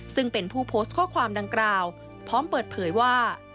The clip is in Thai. ซึ่งเป็นผู้โพสต์ข้อความดังกล่าวพร้อมเปิดเผยว่า